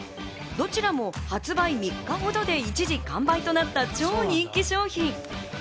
どちらも発売３日ほどで一時完売となった超人気商品。